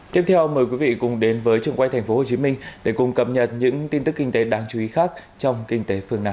tiếp theo mời quý vị cùng đến với trường quay tp hcm để cùng cập nhật những tin tức kinh tế đáng chú ý khác trong kinh tế phương nam